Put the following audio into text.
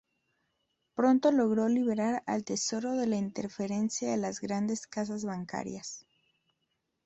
Pronto logró liberar al tesoro de la interferencia de las grandes casas bancarias.